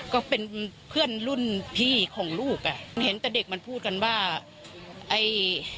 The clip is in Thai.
ก็เป็นเพื่อนรุ่นพี่ของลูกอ่ะเห็นแต่เด็กมันพูดกันว่าไอ้